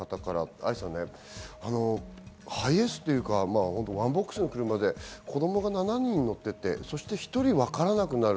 愛さん、ハイエースというか、ワンボックスの車で子供が７人乗っていて１人わからなくなる。